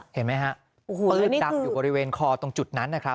เห็นไหมฮะปืนดังอยู่บริเวณคอตรงจุดนั้นนะครับ